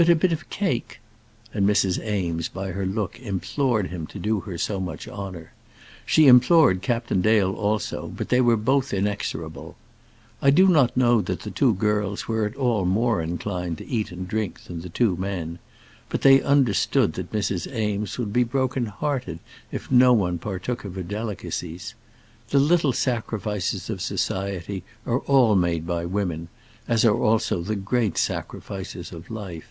"But a bit of cake?" And Mrs. Eames by her look implored him to do her so much honour. She implored Captain Dale, also, but they were both inexorable. I do not know that the two girls were at all more inclined to eat and drink than the two men; but they understood that Mrs. Eames would be broken hearted if no one partook of her delicacies. The little sacrifices of society are all made by women, as are also the great sacrifices of life.